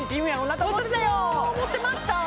思ってました